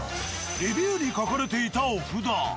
レビューに書かれていたお札。